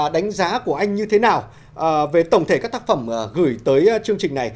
đánh giá của anh như thế nào về tổng thể các tác phẩm gửi tới chương trình này